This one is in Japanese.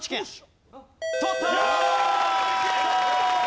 取ったー！